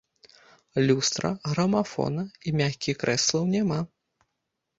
Люстра, грамафона і мяккіх крэслаў няма.